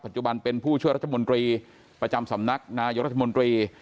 จุบันเป็นผู้ช่วยรัฐมนตรีประจำสำนักนายกรัฐมนตรี